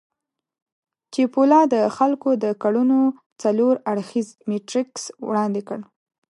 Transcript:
چیپولا د خلکو د کړنو څلور اړخييز میټریکس وړاندې کړ.